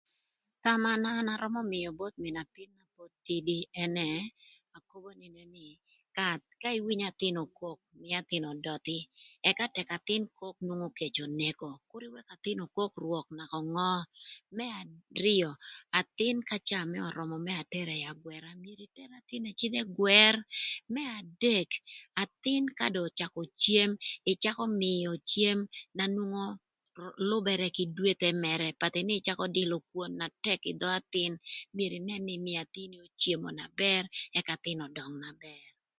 Thama na an a römö mïö both mïn athïn na tïdï ënë: Ka iwiny athïn okok mïï athïn ödöthï ëka tëk athïn kok nwongo kec oneko kur ïwëk athïn okok rwök naka ngöö. Më arïö, athïn ka caa mërë örömö më atera agwëra myero ëcïdh ëgwër. Më adek athïn ka dong öcakö cem ïcakö mïö cem na nwongo lübërë kï dwethe mërë pathï nï ïcakö dïlö kwon na tëk ïdhö athïn myero ïnën nï ïmïö athïn ocemo na bër ëk athɨn ödöng na bër